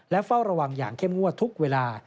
เฝ้าระวังอย่างเข้มงวดทุกเวลา